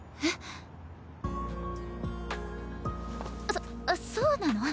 そそうなの？